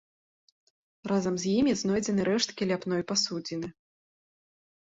Разам з імі знойдзены рэшткі ляпной пасудзіны.